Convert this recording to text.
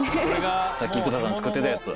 さっき生田さん作ってたやつ。